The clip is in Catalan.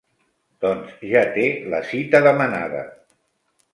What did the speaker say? Doncs ja té la cita demanada.